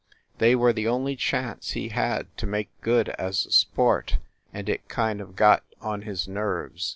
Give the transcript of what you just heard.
They were the only chance he had to make good as a sport, and it kind of got on his nerves.